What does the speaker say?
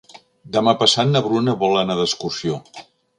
Demà passat na Bruna vol anar d'excursió.